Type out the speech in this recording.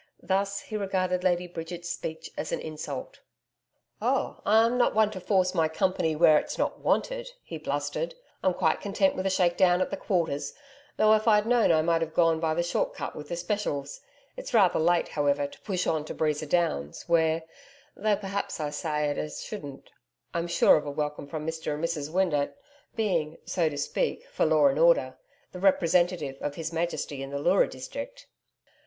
Thus he regarded Lady Bridget's speech as an insult. 'Oh, I'm not one to force my company where it is not wanted,' he blustered. 'I'm quite content with a shake down at the Quarters, though if I'd known I might have gone by the short cut with the Specials it's rather late, however, to push on to Breeza Downs, where though perhaps I say it as shouldn't I'm sure of a welcome from Mr and Mrs Windeatt, being, so to speak for law and order the representative of His Majesty in the Leura district.'